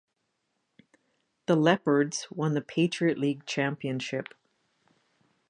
The Leopards won the Patriot League championship.